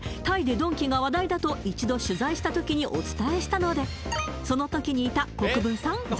タイでドンキが話題だと一度取材した時にお伝えしたのでその時にいた国分さん